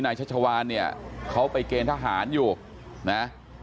ชัชวานเนี่ยเขาไปเกณฑ์ทหารอยู่นะ